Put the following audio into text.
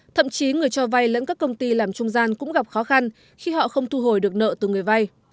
thậm chí người cho vay lẫn các công ty làm trung gian cũng gặp khó khăn khi họ không thu hồi được nợ từ người vay